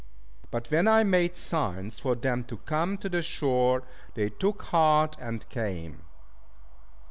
But when I made signs for them to come to the shore, they took heart, and came.